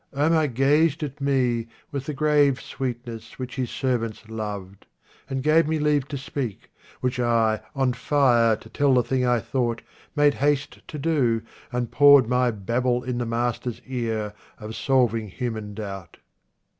Omar gazed at me With the grave sweetness which his servants loved, And gave me leave to speak, which I, on fire To tell the thing I thought, made haste to do, And poured my babble in the master's ear Of solving human doubt.